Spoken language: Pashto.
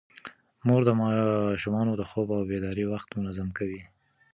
مور د ماشومانو د خوب او بیدارۍ وخت منظم کوي.